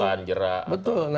agar ketakutan jerak atau